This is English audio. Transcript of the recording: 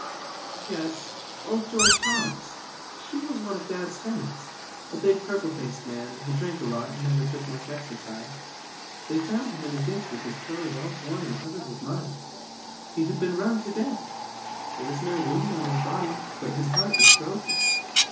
"Yes; old George Toms. He was one of Dad's tenants, a big purple faced man, who drank a lot and never took much exercise. They found him in a ditch with his clothes all torn and covered with mud. He had been run to death; there was no wound on his body, but his heart was broken."